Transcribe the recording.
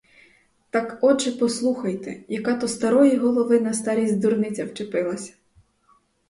Так, отже, послухайте, яка то старої голови на старість дурниця вчепилася!